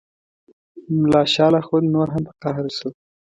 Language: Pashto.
ملا شال اخند نور هم په قهر شو.